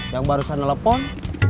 yang barusan nelfon